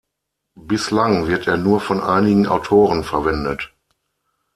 Bislang wird er nur von einigen Autoren verwendet.